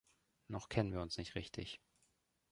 Noch kennen wir uns nicht richtig.